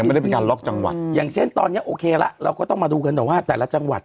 ไม่ได้เป็นการล็อกจังหวัดอย่างเช่นตอนเนี้ยโอเคละเราก็ต้องมาดูกันต่อว่าแต่ละจังหวัด